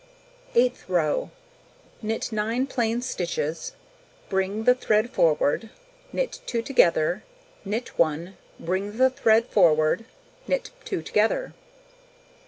Eighth row: Knit 9 plain stitches, bring the thread forward, knit 2 together, knit 1, bring the thread forward, knit 2 together.